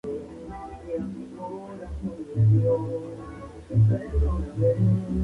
Algunos sarcófagos tenían representaciones reales de la cara o la figura completa del difunto.